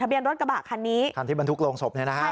เบียนรถกระบะคันนี้คันที่บรรทุกโรงศพเนี่ยนะฮะ